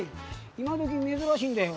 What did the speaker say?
今時珍しいんだよ。